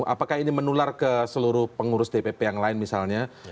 apakah ini menular ke seluruh pengurus dpp yang lain misalnya